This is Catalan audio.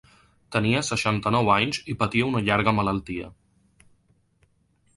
Tenia seixanta-nou anys i patia una llarga malaltia.